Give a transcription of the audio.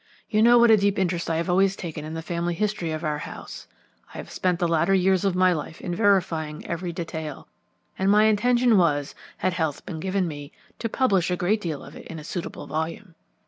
You know what a deep interest I have always taken in the family history of our house. I have spent the latter years of my life in verifying each detail, and my intention was, had health been given me, to publish a great deal of it in a suitable volume.